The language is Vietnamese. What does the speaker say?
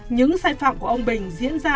những sai phạm của ông bình diễn ra